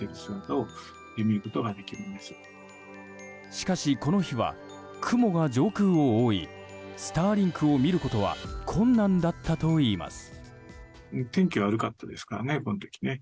しかし、この日は雲が上空を覆いスターリンクを見ることは困難だったといいます。